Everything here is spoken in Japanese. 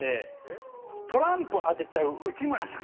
トランプ当てちゃう内村さん。